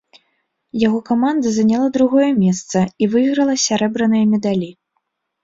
Яго каманда заняла другое месца і выйграла сярэбраныя медалі.